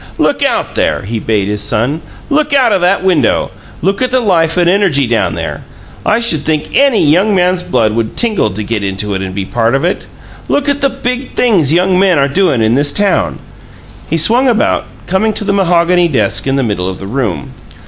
"Look out there!" he bade his son. "Look out o' that window! Look at the life and energy down there! I should think ANY young man's blood would tingle to get into it and be part of it. Look at the big things young men are doin' in this town!" He swung about, coming to the mahogany desk in the middle of the room.